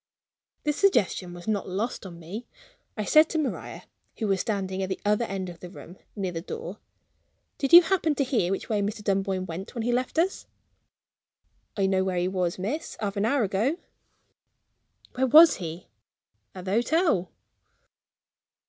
The suggestion was not lost on me. I said to Maria who was standing at the other end of the room, near the door "Did you happen to hear which way Mr. Dunboyne went when he left us?" "I know where he was, miss, half an hour ago." "Where was he?" "At the hotel."